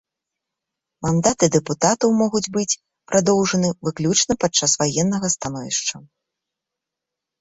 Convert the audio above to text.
Мандаты дэпутатаў могуць быць прадоўжаны выключна падчас ваеннага становішча.